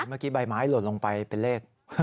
เมื่อกี้ใบไม้หล่นลงไปเป็นเลข